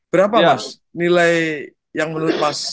berapa mas nilai yang menurut mas